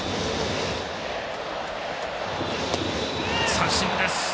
三振です。